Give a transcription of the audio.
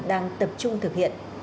đang tập trung thực hiện